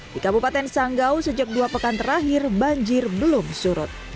di kabupaten sanggau sejak dua pekan terakhir banjir belum surut